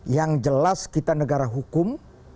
yang jelas kita negara hukum